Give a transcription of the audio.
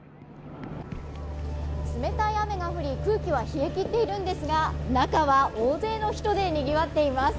冷たい雨が降り空気は冷え切っているんですが中は大勢の人でにぎわっています。